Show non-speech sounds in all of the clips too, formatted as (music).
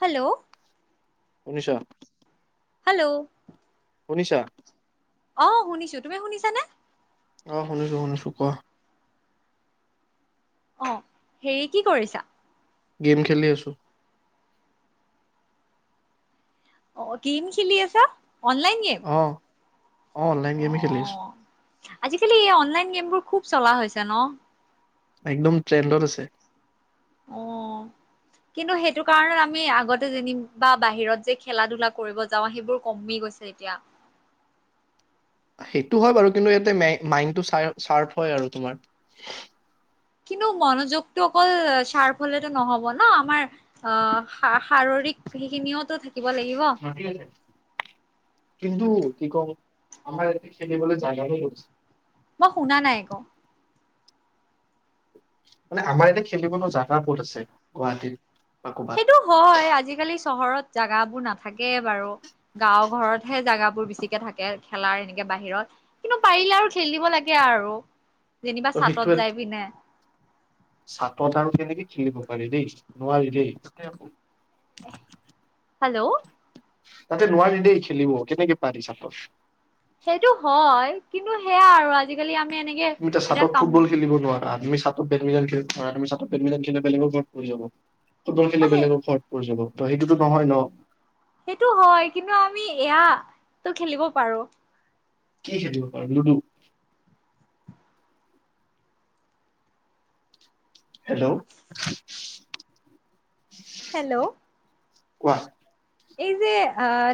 Hello. শুনিছো। Hello. শুনিছা? অ', শুনিছো, তুমি শুনিছানে? অ', শুনিছো শুনিছো কোৱা। অ', হেৰি কি কৰিছা? গেম খেলি আছোঁ। অ', কি খেলি আছা? অনলাইন গেম, অ অ অনলাইন গেমে খেলি আছো অ', আজিকালি এই অনলাইন গেমবোৰ খুব চলা হৈছে ন'? একদম ট্ৰেণ্ডত আছে। অ', কিন্তু সেইটো কাৰণত আমি আগতে যেনি বা বাহিৰত যে খেলা-ধূলা কৰিব যাওঁ সেইবোৰ কমি গৈছে এতিয়া। সেইটো হয় বাৰু, কিন্তু ইয়াতে মাইণ্ডটো চাপ চাৰ্প হয় আৰু তোমাৰ। কিন্তু মনোযোগটো অকল চাৰ্ভ হ'লেতো নহ'ব। হব ন আমাৰ আ শাৰৰিক সেইখিনিও টো থাকিব লাগিব। কিন্তু কি কম আমাৰ এতে খেলিবলৈ যায় নহয়নো মই শুনা নাই একো (inaudible) মানে আমাৰ ইয়াতে খেলিব নো জাগা ক'ত আছে। গুৱাহাটীৰ সেইটো হয় আজিকালি চহৰত জাগাবোৰ নাথাকে বাৰু গাওঁ ঘৰতহে জাগাবোৰ বেছিকে থাকে। খেলাৰ এনেকে বাহিৰত কিন্তু পাৰিলে আৰু খেল দিব লাগে আৰু যেনিবা ত চাটত সেইটোৱে যাই পিনে চাটত আৰু কেনেকে খেলিব পাৰি দেই নোৱাৰি দেই এহ হেল্ল' তাতে নোৱাৰি দেই খেলিব কেনেকে পাৰি চাতত সেইটো হয় কিন্তু সেয়া আৰু আজিকালি আমি এনেকে তুমি এতা এতিয়া চাতত কাম ফুটবল খেলিব নোৱাৰা তুমি চাতত বেমিণ্টন খেলিব নোৱৰা তুমি চাতত বেমিণ্টন খেলিলে বেলেগৰ ঘৰত পৰি যাব। ফুটবল খেলিলে সেই বেলেগ ঘট পৰি যাব। ত সেইটোতো নহয় ন সেইটো হয় কিন্তু আমি এয়া তো খেলিব পাৰো কি খেলিব পাৰো লুডু হেল্ল' হেল্ল' কোৱা এই যে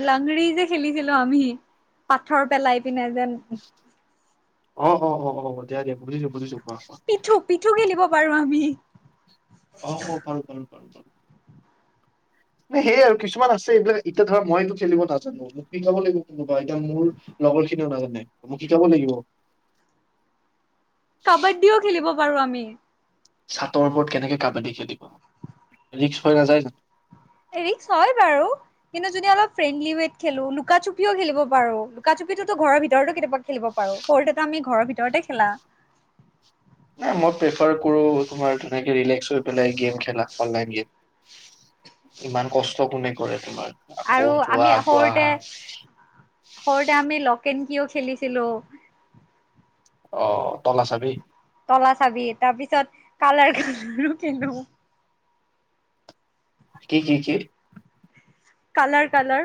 লাংৰি যে খেলিছিলো আমি পাথৰ পেলাই পিনে যেন অ-অ-অ-অ দিয়া দিয়া বুজিছো-বুজিছো। পিঠু-পিঠু খেলিব পাৰো আমি অ হ পাৰো-পাৰো। প (unintelligible) ন সেইয় আৰু কিছুমান আছে। এইবিলাক এতিয়া ধৰা মইতো খেলিব নাজানো মোক শিকাব লাগিব কোনোবা এতিয়া মোৰ লগৰ খিনিও নাজানে মোক শিকাব লাগিব। কাবাদ্ডীও খেলিব। পাৰো আমি। ছাটৰ ওপৰত কেনেকে কাবাডী খেলিব। ৰিক্স হৈ নাযায় জানো ৰিক্স হয় বাৰু। কিন্তু যদি অলপ ফ্ৰেণ্ডলি ৱত খেলো লুকাচুপিও খেলিব পাৰো লুকাচুপিটোতো ঘৰৰ ভিতৰতো কেতিয়াবা খেলিব পাৰোঁ সট এটা আমি ঘৰৰ ভিতৰতে খেলা। ন মই প্ৰেফাৰ কৰো তোমাৰ তেনেকেলেক্ হৈ পেলাই গেম খেলা অনলাইন গেম ইমান কষ্ট কোনে কৰে তোমাৰ। আকৌ আৰু যোৱা আমি আকৌ সৰুতে আহা সৰুতে আমি লকেন। কিয় খেলিছিলো। অ তল চাবি? তলা চাবি তাৰ পিছত কালাৰ ক কিধো। কি কি কি? Colour colour!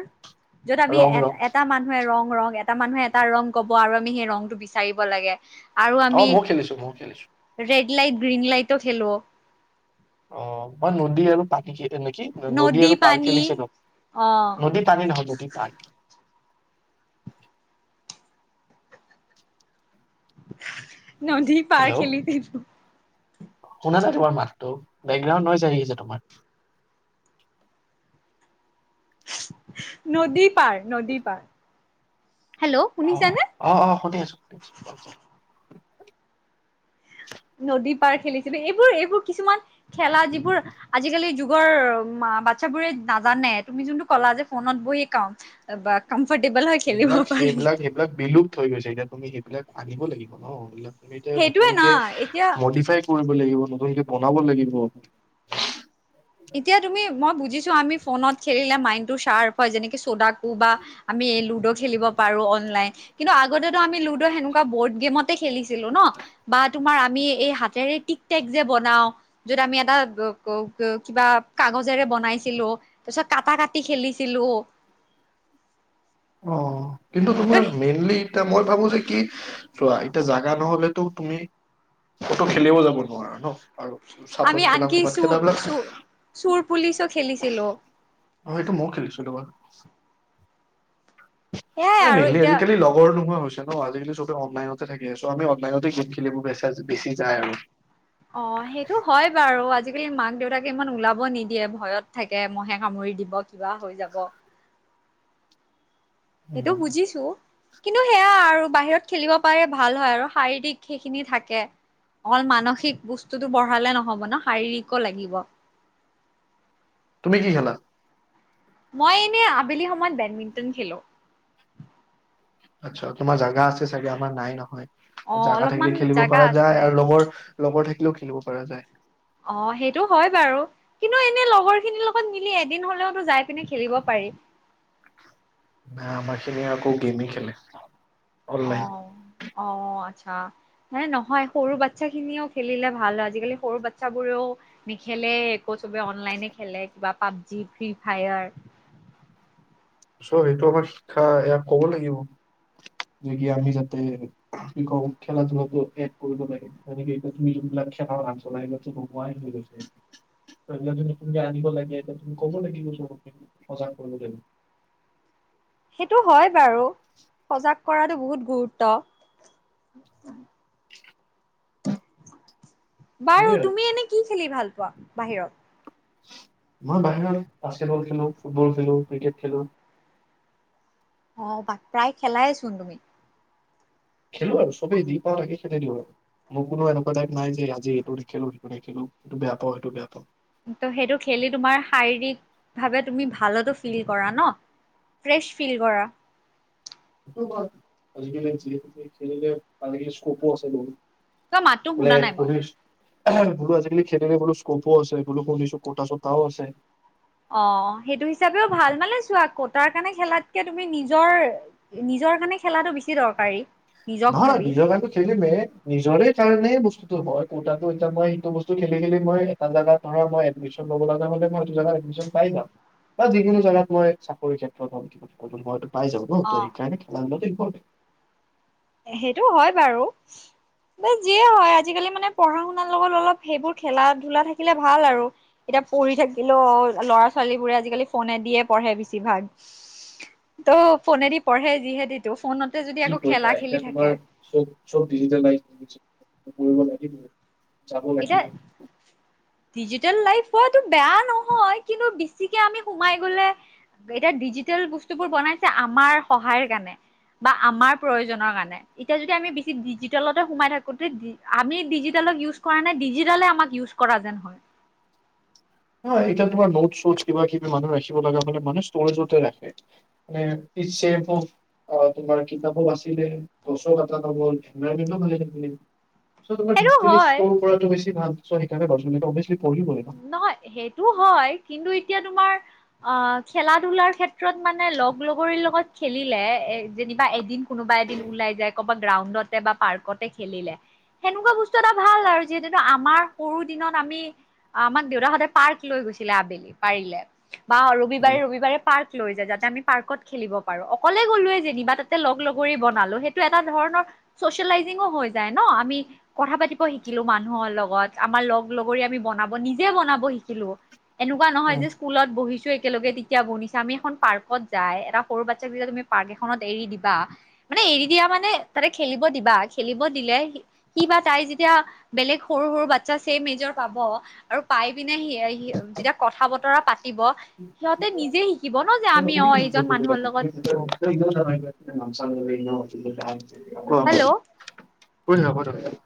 য'ত আমি ৰং এ ৰং এটা মানুহে ৰং। ৰং এটা মানুহে এটা ৰং কব আৰু আমি সেই ৰংটো বিচাৰিব লাগে। আৰু অ আমি ময়ো খেলিছো ময়ো খেলিছো ৰে লাইট গ্ৰীণ লাইটও খেলো। অ মই নদী আৰু পাতি খ। নেকি নদী আৰু পাৰ খেলিছে ন অ নদী পানী নহয় নদী পাৰ। (unintelligible) নদী পাৰ হেল্ল' খেলৈছিলোঁ। শুনা নাই তোমাৰ মাতটো বেকগ্ৰাউড ন আহি আছে তোমাৰ। নদী পাৰ নদী পাৰ। হেল্ল' অ শুনিছানে? অ অ সুধি আছো সুধি আছো। নদী পাৰ খেলিছিলো এইবোৰ এইবোৰ কিছুমান খেলা যিবোৰ আজিকালিৰ যুগৰ বাচ্ছাবোৰে নাজানে তুমি যোনটো ক'লা যে ফোনত বহিয়ে কাম বা ক। এইবিলাক সেইবিলাক সেইবিলাক বিলুপ্ত হৈ গৈছে এতিয়া তুমি। এইবিলাক আনিব লাগিব নবিলাক। সেইটোয়ে না নতুনকে এতিয়া মডিফাই। কৰিব লাগিব নতুনকে বনাব লাগিব! এতিয়া তুমি মই। যিছ আমি ফোনত খেলিলে মাইণ্ড টো চ্বাৰ্প হয় যেনেকে চ'ডাকো বা আমি লুডো খেলিব পাৰো অনলাইন কিন্তু আগতেতো আমি লুডো সেনেকুৱা বৰ্ড গেমত খেলিছিলো ন বা। তোমাৰ আমি এই হাতেৰে টিকটেক যে বনাও যত আমি এটা। কিবা কাগজেৰে বনাইছিলো তাৰ পিছত কটা কাটি খেলিছিলো! অ কিন্তু ত তোমাৰ মেইনলি এ। মই ভাবো যে কি চোৱা এতিয়া জাগা নহলেতো তুমি কত খেলও যাব নোৱাৰা ন। আৰু চাটত আমি খেলা আনকি ক'ৰবাত খেলা চোৰ এইবিলাক চ চোৰ পুলিচো খেলিছিলো। অ', সেইটো ময়ো খেলিছিলো বাৰু। সেয়াই মানে আৰু মেইনলি এতিয়া আজিকালি লগৰ নোহোৱা হৈছে! ন আজিকালি চবে অনলাইনতে থাকে আছে আমি অনলাইনতে গেম খেলিব বেচা বেছি যায় আৰু অ সেইটো হয় বাৰু আজি আজিকালি মাক দেউতাকে ইমান ওলাব নিদিয়ে ভয়ত থাকে মহে সামৰি দিব কিবা হৈ যাব। সেইটো উম, বুজিছো, কিন্তু সেয়া আৰু বাহিৰত খেলিব পাৰে ভাল হয় আৰু শাৰীৰিক সেইখিনি থাকে, অকল মানসিক বস্তুটো বঢ়ালে নহ'ব ন', শাৰীৰিককো লাগিব। তুমি কি খেলা? মই এনে আবেলি সময়ত বেডমিণ্টন খেলো। আচ্ছা, তোমাৰ জাগা আছে চাগে আমাৰ নাই অ নহয়। জাগা অলপমান থাকিলে খেলিব জাগা পৰা আছে। যায় আৰু লগৰ লগৰ থাকিলে (unintelligible) খেলিব পৰা যায়। অ', সেইটো হয় বাৰু, কিন্তু এনে লগৰ খিনিৰ লগত মিলি এদিন হ'লেওতো যায় পিনে খেলিব পাৰি। নাই, আমাৰখিনি আকৌ গেমেই খেলে। অনলাইন। অ' অ', আচ্ছা। হে নহয় সৰু বাচ্ছা খিনিও খেলিলে ভাল হয়। আজিকালি সৰু বাচ্ছাবোৰেও নেখেলে একো চবে অনলাইনে খেলে কিবা পাবজি ফ্ৰী ফায়াৰ চ' সেইটো আমাৰ শিক্ষা এয়া ক'ব লাগিব নেকি আমি যাতে কি কওঁ খেলা-ধূলাটো এড কৰিব লাগে যেনেকে এতিয়া তুমি যোনবিলাক খেলাৰ নাম (unintelligible) নোহোৱাই হৈ গৈছে। সেইবিলাক যদি নতুনকৈ আনিব লাগে এতিয়া তুমি ক'ব লাগিব চবকে, সজাগ কৰিব লাগিব। সেইটো হয় বাৰু সজাগ কৰাটো বহুত গুৰুত্ব (inaudible) সেয়ে বাৰু আৰু তুমি এনে কি খেলি ভাল পোৱা বাহিৰত? মই বাহিৰত বাস্কেটবল খেলো, ফুটবল খেলো, ক্ৰিকেট খেলো। অ', প্ৰায় খেলাই চোন তুমি। খেলো আৰু চবেই দি পাওঁ তাকে খেলে দিওঁ আৰু মোৰ কোনো এনেকুৱা টাইপ নাই যে আজি এইটো নেখেলো সেইটো নেখেলো এইটো বেয়া পাওঁ সেইটো বেয়া পাওঁ। ত' সেইটো খেলি তোমাৰ শাৰীৰিকভাৱে তুমি ভালতো ফিল কৰা ন', ফ্ৰেছ ফিল কৰা। সেইটো আজিকালি যিহেতকে খেলিলে আজিকালি স্কপো আছে বহুত। তোৰ মাতো বোলে শুনা নাই মই। শুনিছো বোলো আজিকালি খেলিলে বোলো স্কপো আছে বোলো শুনিছো কোটা চোটাও আছে। অ', সেইটো হিচাপেও ভাল মানে চোৱা কোটাৰ কাৰণে খেলাতকে তুমি নিজৰ নিজৰ কাৰণে খেলাটো বেছি দৰকাৰী। নিজক নহয় নহয় ভাবি। নিজৰ কাৰণেটো খেলিমে নিজৰে (unintelligible) এইটো হয় কোটাটো এতিয়া মই ইটো বস্তু খেলি খেলি মই এটা জাগাত মই এডমিশ্বন ল'ব লগা হ'লে মই সেইটো জাগাত এডমিশ্বন পাই যাম, বা যিকোনো জাগাত মই চাকৰি ক্ষেত্ৰত হক (unintelligible) পাই যাব ন', তো অ' সেইকাৰণে খেলাধূলাতে হয়। সেই সেইটো হয় বাৰু, বা যিয়ে হয় আজিকালি মানে পঢ়া শুনাৰ লগত অলপ সেইবোৰ খেলাধূলা থাকিলে ভাল আৰু, এতিয়া পঢ়ি থাকিলেও ল'ৰা ছোৱালী বোৰে আজিকালি ফোনেদিয়ে পঢ়ে বেছিভাগ ত' ফোনেদি পঢ়ে যিহেতিটো ফোনত যদি কি আকৌ খেলা কৰিবা এতিয়া তোমাৰ চব চব ডিজিটেলাইজ কৰিব লাগিবই যাব এতিয়া লাগিব। ডিজিটেল লাইফট বেয়া নহয়, কিন্তু, ছিকে আমি সোমাই গ'লে এতিয়া ডিজিটেল বস্তুবোৰ বনাইছে আমাৰ সহায়ৰ কাৰণে বা আমাৰ প্ৰয়োজনৰ কাৰণে এতিয়া যদি আমি বেছি ডিজিটেলতে সোমাই থাকো তে আমি ডিজিটেলক ইউজ কৰা নাই ডিজিটেলে আমাক ইউজ কৰা যেন হয়। হয়, এতিয়া তোমাৰ নোটচ চোচ কিবা কিবি মানুহ ৰাখিব লগা হ'লে মানু্হে ষ্টৰেজতে ৰাখে। মানে ইটছ ছেভ অফ অ', তোমাৰ কিতাপক বাচিলে, গছো কাটা নগ'ল, এনভাইৰনমেন্টো ভালে থাকিলে। চ' তোমাৰ সেইটো ডিজিটেলি হয় ষ্ট'ৰ কৰাটো বেছি ভাল। চ সেইকাৰণেই (unintelligible) অবভিয়াচলী পঢ়িব লাগিব। নহয় সেইটো হয়, কিন্তু এতিয়া তোমাৰ আহ খেলা-ধূলাৰ ক্ষেত্ৰত মানে লগ-লগৰি লগত খেলিলে এ যেনিবা এদিন, কোনোবা এদিন ওলাই যায়, ক'ৰবাত গ্ৰাউণ্ডতে বা পাৰ্কতে খেলিলে, সেনেকুৱা বস্তু এটা ভাল আৰু যিহেতু আমাৰ সৰু দিনত আমি আমাক দেউতা সদায় পাৰ্ক লৈ গৈছিলে আবেলি, পাৰিলে। বা ৰবিবাৰে ৰবিবাৰে পাৰ্ক লৈ যায়, যাতে আমি পাৰ্কত খেলিব পাৰোঁ। অকলে গ'লোয়ে যেনিবা তাতে লগ-লগৰি বনালো, সেইটো এটা ধৰণৰ ছচিয়েলাইজিংয়ো হৈ যায় ন? আমি কথা পাতিব শিকিলোঁ মানুহৰ লগত, আমাৰ লগ-লগৰি আমি বনাব, নিজে বনাব শিকিলোঁ। এনেকুৱা নহয় যে, উম স্কুলত বহিছোঁ একেলগে তেতিয়া বহিছা। আমি এখন পাৰ্কত যাই এটা সৰু বাচ্ছাৰ ভিতৰত তুমি পাৰ্ক এখনত এৰি দিবা মানে, এৰি দিয়া মানে, তাতে খেলিব দিবা। খেলিব দিলে সি সি বা তাই যেতিয়া বেলেগ সৰু সৰু বাচ্ছা ছেম এজৰ পাব (unintelligible) আৰু পাই পিনে সি এ সি অ যেতিয়া কথা-বতৰা পাতিব, সিহঁতে নিজে শি (inaudible) (inaudible) হেল্ল' কৈ থাকা, কৈ থাকা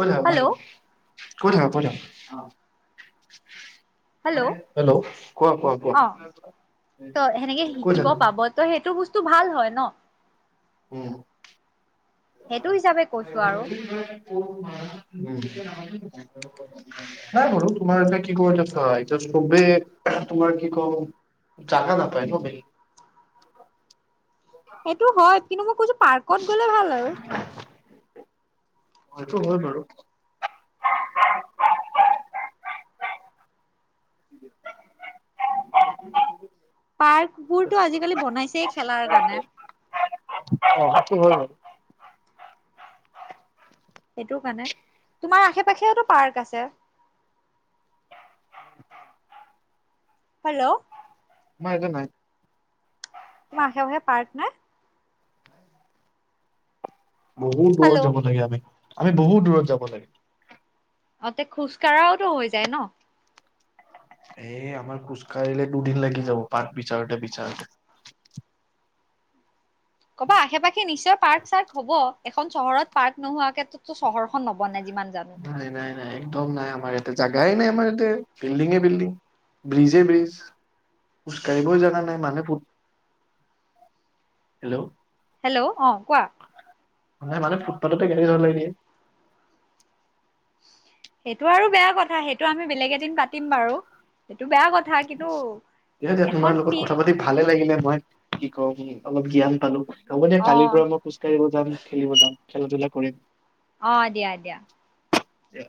কৈ থাক মই হেল্ল' (unintelligible) কৈ থকা কৈ থকা অ হেল্ল' হেল্ল' কোৱা, কোৱা, কোৱা অ ত সেনেকে কৈ শিকিব থাকা পাব ত' সেইটো বস্তু ভাল হয় ন? উম সেইটো হিচাপে কৈছো আৰু। (inaudible) নাই বোলোঁ। তোমাৰ এতিয়া কি ক'ব (unintelligible) এতিয়া চবে তোমাৰ কি কম জাগা নাপায় ন বে? সেইটো হয় কিন্তু মই কৈছোঁ পাৰ্কত গ'লে ভাল আৰু। সেইটো হয় বাৰু। পাৰ্ক বোৰতো আজিকালি বনাইছেই খেলাৰ কাৰণে। অ সেইটো হয় বাৰু সেইটোৰ কাৰণে। তোমাৰ আশে-পাশেওটো পাৰ্ক আছে। হেল্ল'। আমাৰ ইয়াতে নাই। তোমাৰ আশে-পাশে পাৰ্ক নাই? বহুত হেল্ল' দূৰত যাব লাগে আমি। আমি বহুত দূৰত যাব লাগে। অ তে খোজ কঢ়াওটো হৈ যায় ন? এই আমাৰ খোজকাঢ়িলে দুদিন লাগি যাব, পাৰ্ক বিচাৰোঁতে বিচাৰোঁতে। কবা আশে-পাশে নিশ্চয় পাৰ্ক-চাৰ্ক হ'ব, এখন চহৰত পাৰ্ক নোহোৱাকেটো চহৰখন ন'বনে যিমান জানো। নাই নাই নাই একদম নাই আমাৰ ইয়াতে, জেগাই নাই আমাৰ ইয়াতে বিল্ডিঙে- বিল্ডিং', ব্ৰিজে-ব্ৰিজ। খোজ কাঢ়িবয়ে জাগা নাই মানুহ উ, হেল্ল'। হেল্ল' অ, কোৱা। মানে, মানুহে ফুটপাততে গেলি যাব নেকি। সেইটো আৰু বেয়া কথা, সেইটো আমি বেলেগ এদিন পাতিম বাৰু। সেইটো বেয়া কথা কিন্তু দিয়া দিয়া এখন তোমাৰ লগত কথা ফিল্ড পাতি ভালে লাগিলে, মই কি কওঁ কি অলপ জ্ঞান পালো। হ'ব দে অ কালিৰ পৰা মই খোজকাঢ়িব যাম, খেলিব যাম। খেলা-ধূলা কৰিম। অ', দিয়া দিয়া। দিয়া